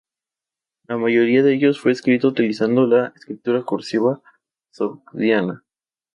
La mayoría de ellos fue escrita utilizando la escritura cursiva sogdiana.